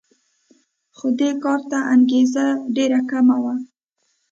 خو دې کار ته انګېزه ډېره کمه وه